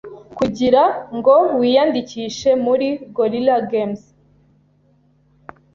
Kugira ngo wiyandikishe muri Gorilla Games